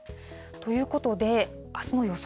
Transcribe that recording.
ということで、あすの予想